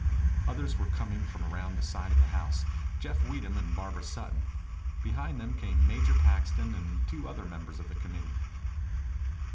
Others were coming from around the side of the house Jeff Weedham and Barbara Sutton. Behind them came Major Paxton and two other members of the committee.